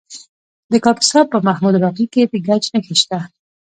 د کاپیسا په محمود راقي کې د ګچ نښې شته.